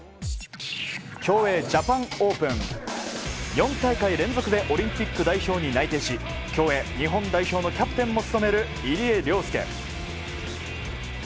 ４大会連続でオリンピック代表に内定し競泳日本代表のキャプテンも務める入江陵介。